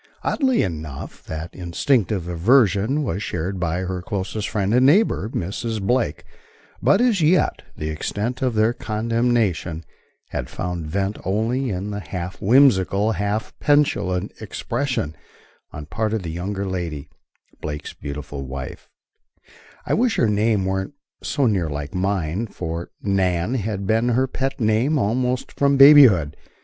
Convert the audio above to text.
Oddly enough, that instinctive aversion was shared by her closest friend and neighbor, Mrs. Blake; but, as yet, the extent of their condemnation had found vent only in the half whimsical, half petulant expression on part of the younger lady Blake's beautiful wife, "I wish her name weren't so near like mine," for "Nan" had been her pet name almost from babyhood.